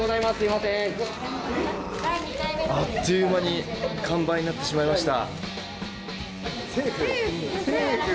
あっという間に完売になってしまいました。